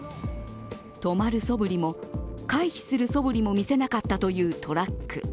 止まるそぶりも、回避するそぶりも見せなかったというトラック。